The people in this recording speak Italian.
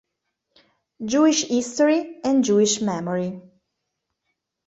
Jewish History and Jewish Memory".